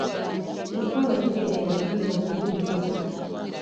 Kyokka Wakikere yagaana okuwuliriza.